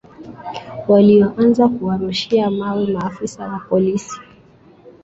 walioanza kuwarushia mawe maafisa wa polisi